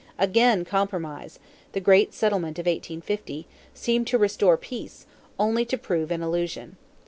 Again compromise the great settlement of 1850 seemed to restore peace, only to prove an illusion.